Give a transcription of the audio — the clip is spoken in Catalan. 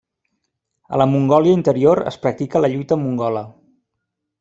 A la Mongòlia Interior es practica la lluita mongola.